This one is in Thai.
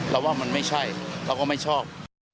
เราว่ามันไม่ใช่เราก็ไม่ชอบ